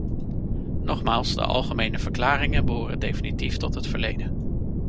Nogmaals, de algemene verklaringen behoren definitief tot het verleden.